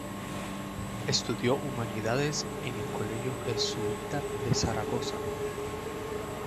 Estudió Humanidades en el colegio jesuita de Zaragoza.